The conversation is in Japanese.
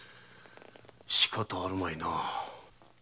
しかたあるまいな。